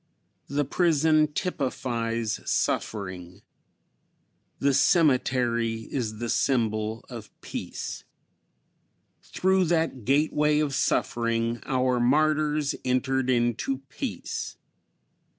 The prison typifies suffering. The cemetery is the symbol of peace. Through that gateway of suffering our martyrs entered into peace.